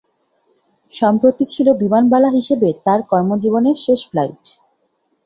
সম্প্রতি ছিল বিমানবালা হিসেবে তাঁর কর্মজীবনের শেষ ফ্লাইট।